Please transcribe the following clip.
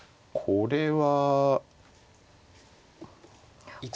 これは。